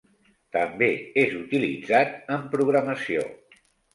També és utilitzat en programació.